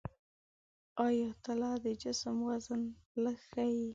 آیا تله د جسم وزن لږ ښيي؟